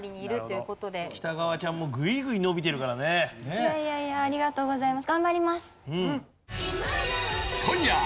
いやいやいやありがとうございます。